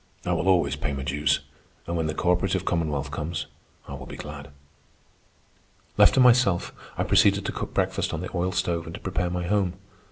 I will always pay my dues, and when the cooperative commonwealth comes, I will be glad." Left to myself, I proceeded to cook breakfast on the oil stove and to prepare my home.